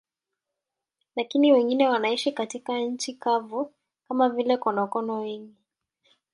Lakini wengine wanaishi katika nchi kavu, kama vile konokono wengi.